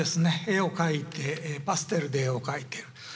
絵を描いてパステルで絵を描いている。